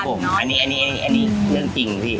ครับผมอันนี้เรื่องจริง